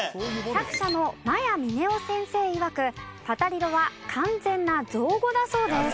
作者の魔夜峰央先生いわく「パタリロ」は完全な造語だそうです。